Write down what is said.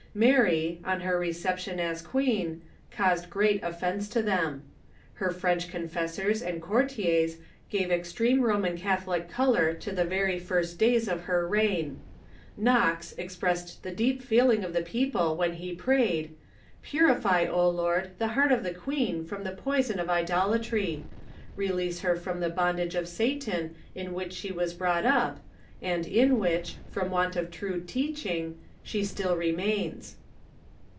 Mary, on her reception as queen, caused great offence to them. Her French confessors and courtiers gave extreme Roman Catholic color to the very first days of her reign. Knox expressed the deep feeling of the people when he praj^ed: "Purify, O Lord, the heart of the queen from the poison of idolatry. Release her from the bondage of Satan in Avhich she was brought up, and in which, from want of true teaching, she still remains."